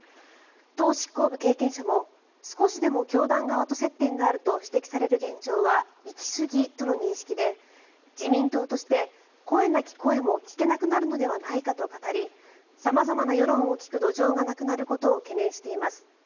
党執行部経験者も少しでも教団側と接点があると指摘される現状は行き過ぎという認識で自民党として、声なき声も聞けなくなるのではないかと語り様々な世論を聞く土壌がなくなることを懸念しています。